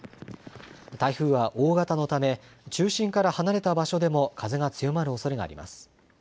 台風は大型のため、中心から離れた場所でも風が強まるおそれがあります。